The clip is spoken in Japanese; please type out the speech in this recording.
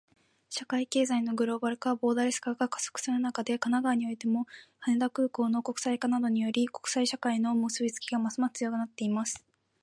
社会・経済のグローバル化、ボーダレス化が加速する中で、神奈川においても、羽田空港の国際化などにより、国際社会との結びつきがますます強まっています。